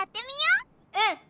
うん！